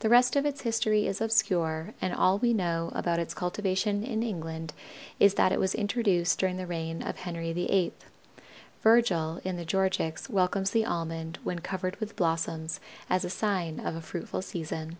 The rest of its history is obscure and all we know about its cultivation in England is that it was introduced during the reign of Henry VIII. Virgil in the Georgics welcomes the Almond when covered with blossoms as the sign of a fruitful season.